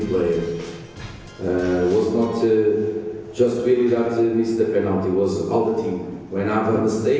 pemain yang baru tidak hanya menyalahkan penalti tapi memenangkan semua tim